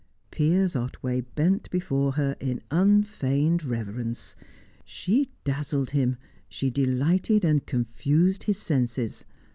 Piers Otway bent before her with unfeigned reverence; she dazzled him, she delighted and confused his senses.